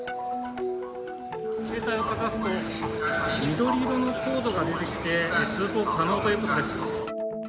携帯をかざすと、緑色のコードが出てきて、通行可能ということです。